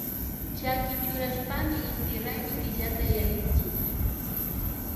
Chaki churashpami inti raymi killata yallinchik